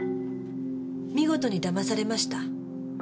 見事に騙されました。